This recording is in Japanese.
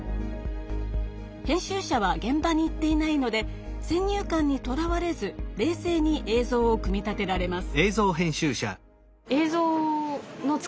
編集者は現場に行っていないので先入観にとらわれず冷静に映像を組み立てられます。